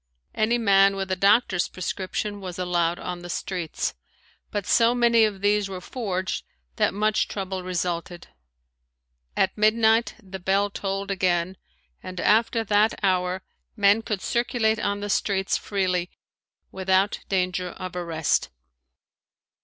Any man with a doctor's prescription was allowed on the streets, but so many of these were forged that much trouble resulted. At midnight the bell tolled again and after that hour men could circulate on the streets freely without danger of arrest.